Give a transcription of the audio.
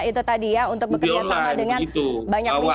itu tadi ya untuk bekerjasama dengan banyak pihak